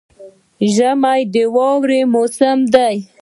ژمی د واورې موسم دی